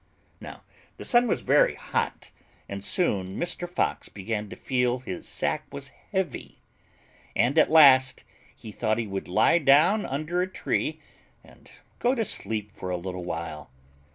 Now the sun was very hot, and soon Mr. Fox began to feel his sack was heavy, and at last he thought he would lie down under a tree and go to sleep for a little while.